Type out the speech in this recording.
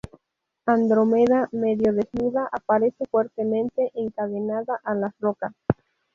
Andrómeda, medio desnuda, aparece fuertemente encadenada a las rocas.